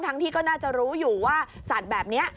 ที่ก็น่าจะรู้อยู่ว่าสัตว์แบบนี้